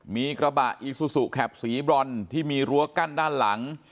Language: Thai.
มีกระบะอีซูซูแคปสีบรอนที่มีรั้วกั้นด้านหลัง